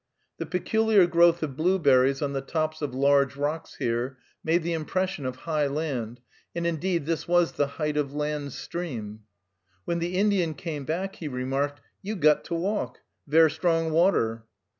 The peculiar growth of blueberries on the tops of large rocks here made the impression of high land, and indeed this was the Height of Land Stream. When the Indian came back, he remarked, "You got to walk; ver strong water."